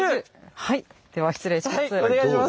はいでは失礼します。